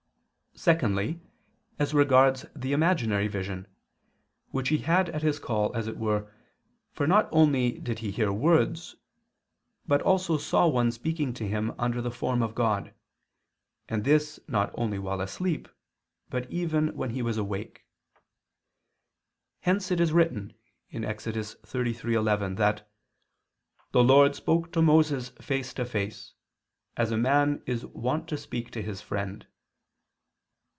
Secondly, as regards the imaginary vision, which he had at his call, as it were, for not only did he hear words, but also saw one speaking to him under the form of God, and this not only while asleep, but even when he was awake. Hence it is written (Ex. 33:11) that "the Lord spoke to Moses face to face, as a man is wont to speak to his friend."